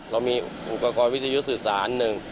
เรามีอุปกรณ์วิทยุสื่อสารหนึ่ง